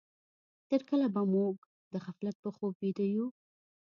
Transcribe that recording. تر کله به موږ د غفلت په خوب ويده يو؟